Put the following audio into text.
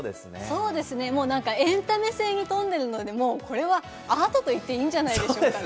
そうですね、エンタメ性にとんでるので、これはアートと言っていいんじゃないでしょうかね。